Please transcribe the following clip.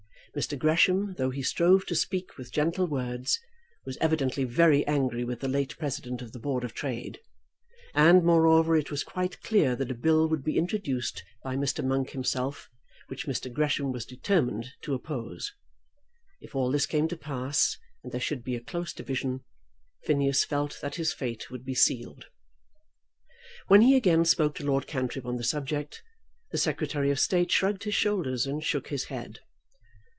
Mr. Gresham, though he strove to speak with gentle words, was evidently very angry with the late President of the Board of Trade; and, moreover, it was quite clear that a bill would be introduced by Mr. Monk himself, which Mr. Gresham was determined to oppose. If all this came to pass and there should be a close division, Phineas felt that his fate would be sealed. When he again spoke to Lord Cantrip on the subject, the Secretary of State shrugged his shoulders and shook his head.